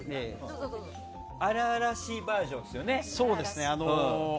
荒々しいバージョンですよね。